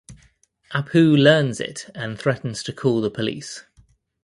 Apu learns it and threatens to call the police.